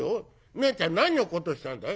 ねえちゃん何落っことしたんだい？」。